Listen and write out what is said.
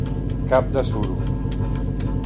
Cap de suro.